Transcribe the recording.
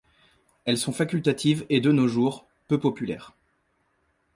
Elles sont facultatives et de nos jours, peu populaires.